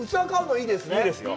いいですよ。